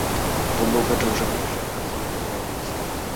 То бок, гэта ўжо першая пляцоўка для адзінства.